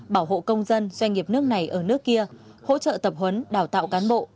bảo hộ công dân doanh nghiệp nước này ở nước kia hỗ trợ tập huấn đào tạo cán bộ